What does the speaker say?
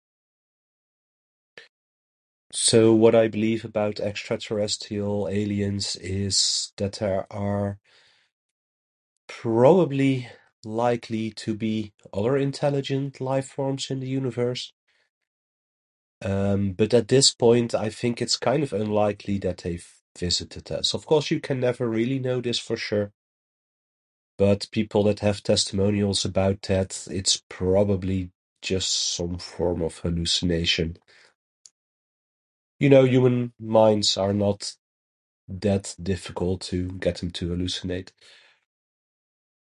So, what I believe about extra terrestrial aliens is that there are probably, likely to be other intelligent life forms in the universe. Um, but at this point I think it's kind of unlikely that they've visited us. Of course, you can never really notice for sure. But people that have testimonials about that, it's probably just some form of hallucination. You know, human minds are not that difficult to get them to hallucinate.